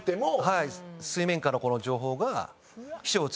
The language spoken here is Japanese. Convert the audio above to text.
はい。